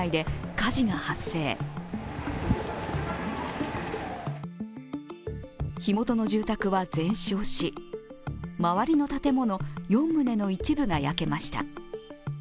火元の住宅は全焼し、周りの建物４棟の一部が焼けました。